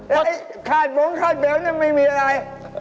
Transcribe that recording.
ไอ้ขาดง้วงขาดแบบนั่นไม่มีอะไร